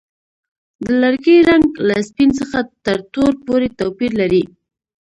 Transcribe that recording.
د لرګي رنګ له سپین څخه تر تور پورې توپیر لري.